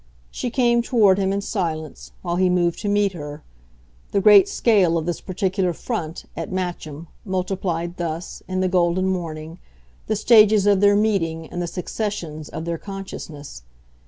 She came toward him in silence, while he moved to meet her; the great scale of this particular front, at Matcham, multiplied thus, in the golden morning, the stages of their meeting and the successions of their consciousness.